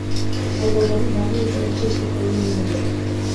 Ал балдарын багуу үчүн акча иштеп табуу менен алек.